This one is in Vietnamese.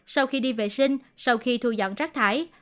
sau khi đi vệ sinh sau khi thu dọn rác thải